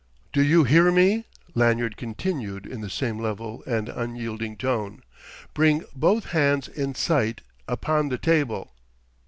"Do you hear me?" Lanyard continued in the same level and unyielding tone. "Bring both hands in sight upon the table!"